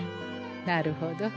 なるほど。